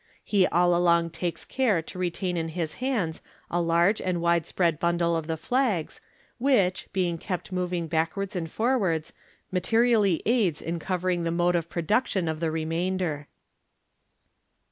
He all along takes care to retain in his hands a large and wide spread bundle of the flags, which, being kept moving backwards and forwards, materially aids in covering the mode of production of the remainder.